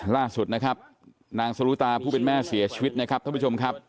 ล่าสุดนะครับนางสรุตาผู้เป็นแม่เสียชีวิตนะครับท่านผู้ชมครับ